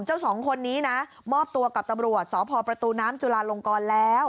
สองคนนี้นะมอบตัวกับตำรวจสพประตูน้ำจุลาลงกรแล้ว